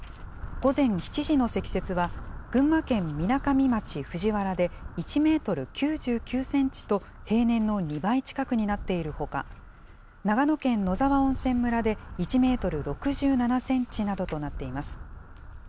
午前７時の積雪は、群馬県みなかみ町藤原で１メートル９９センチと、平年の２倍近くになっているほか、長野県野沢温泉村で１メートル６７センチなどとなっています。